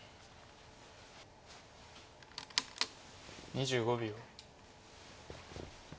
２５秒。